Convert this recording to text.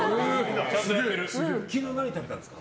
昨日何食べたんですか？